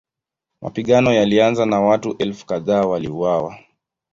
Mapigano yalianza na watu elfu kadhaa waliuawa.